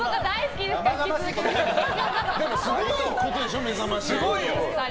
でもすごいことでしょ「めざまし８」。